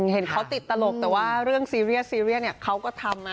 เห็นเขาติดตลกแต่ว่าเรื่องซีเรียสเขาก็ทำนะ